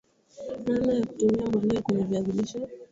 namna ya kutumia mbolea kwenye viazi lishe